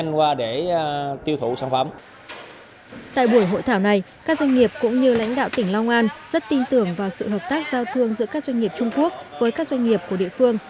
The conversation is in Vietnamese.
tại buổi hội thảo này các doanh nghiệp cũng như lãnh đạo tỉnh long an rất tin tưởng vào sự hợp tác giao thương giữa các doanh nghiệp trung quốc với các doanh nghiệp của địa phương